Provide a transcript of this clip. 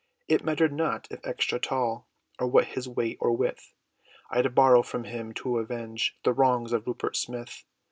It mattered not, if extra tall, Or what his weight, or width, I'd borrow from him, to avenge The wrongs, of Rupert Smith!